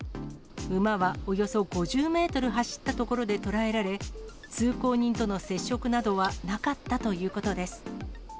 馬はおよそ５０メートル走ったところで捕えられ、通行人との接触などはなかったということです。